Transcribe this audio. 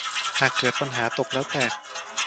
หากเกิดปัญหาตกแล้วแตก